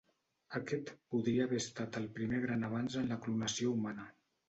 Aquest podria haver estat el primer gran avanç en la clonació humana.